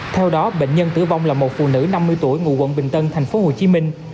theo đó bệnh nhân tử vong là một phụ nữ năm mươi tuổi ngụ quận bình tân thành phố hồ chí minh